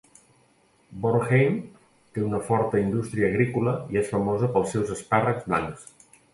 Bornheim té una forta indústria agrícola i és famosa pels seus espàrrecs blancs.